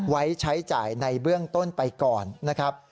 ไว้ใช้จ่ายในเบื้องต้นไปก่อนนะครับ